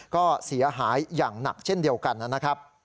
ก็เสียหายอย่างหนักเช่นเดียวกันนะครับ